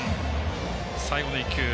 最後の１球。